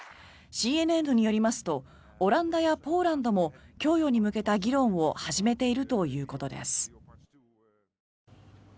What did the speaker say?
ＣＮＮによりますとオランダやポーランドも供与に向けた議論を始めているということです。